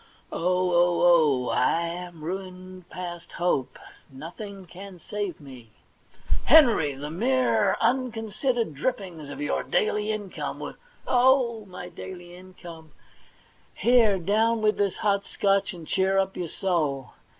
Oh, oh, oh, I am ruined past hope ; nothing can save me ! 30 THE £1,000,000 BANK NOTE * Henry, the mere unconsidered drippings of your daily income would '* Oh, my daily income ! Here, down with this hot Scotch, and cheer up your soul.